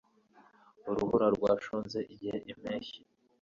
Urubura rwashonze igihe impeshyi